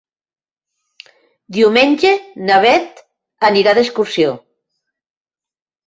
Diumenge na Beth anirà d'excursió.